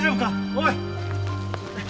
おい！